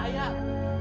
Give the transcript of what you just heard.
aku juga bingung